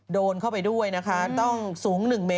โดนเข้าไปด้วยนะคะต้องสูง๑เมตรกว่า๑เมตร